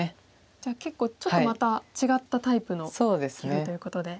じゃあ結構ちょっとまた違ったタイプの棋風ということで。